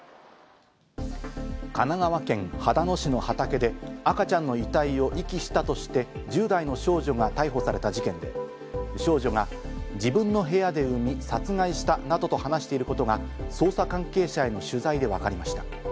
神奈川県秦野市の畑で赤ちゃんの遺体を遺棄したとして、１０代の少女が逮捕された事件で、少女が自分の部屋で産み、殺害したなどと話していることが捜査関係者への取材でわかりました。